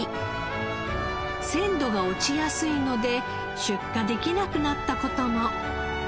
鮮度が落ちやすいので出荷できなくなった事も。